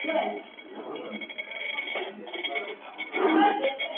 alikuwa malaysia akifanyiwa upasuaji wa tezi ya kibofu